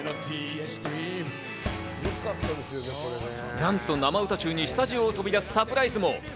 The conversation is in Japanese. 何と生歌中にスタジオを飛び出すサプライズも。